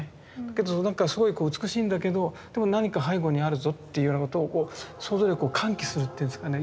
けどなんかすごいこう美しいんだけどでも何か背後にあるぞっていうようなことをこう想像力を喚起するっていうんですかね